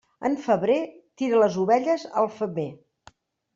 En febrer, tira les ovelles al femer.